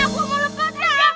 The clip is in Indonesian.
mukanya put seram